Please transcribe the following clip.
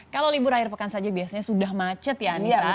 kalau libur akhir pekan saja biasanya sudah macet ya anissa